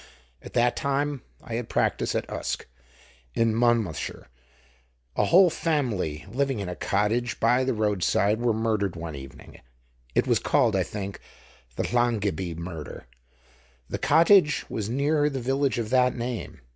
At that time I had a practice at Usk, in Monmouthshire. A whole family living in a cottage by the roadside were murdered one evening; it was called, I think, the Llangibby murder; the cottage was near the village of that name.